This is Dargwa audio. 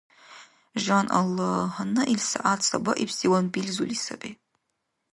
Жан Аллагь, гьанна ил сягӀят сабаибсиван билзули саби.